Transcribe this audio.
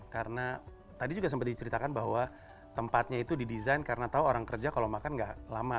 karena tadi juga sempat diceritakan bahwa tempatnya itu didesain karena tahu orang kerja kalau makan gak lama